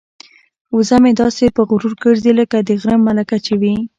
وزه مې داسې په غرور ګرځي لکه د غره ملکه چې وي.